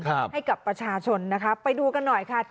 ให้กับประชาชนนะคะไปดูกันหน่อยค่ะ